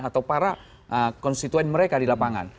atau para konstituen mereka di lapangan